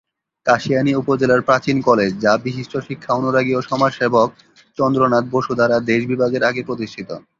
কাশিয়ানী উপজেলার প্রাচীন কলেজ যা বিশিষ্ট শিক্ষা অনুরাগী ও সমাজ সেবক চন্দ্রনাথ বসু ধারা দেশ বিভাগের আগে প্রতিষ্ঠিত।